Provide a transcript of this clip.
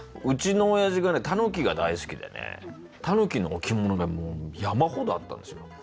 うちのおやじがねタヌキが大好きでねタヌキの置物がもう山ほどあったんですよ